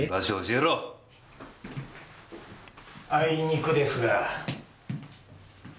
あいにくですが。